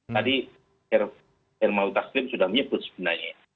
tadi hermawut taslim sudah menyebut sebenarnya ya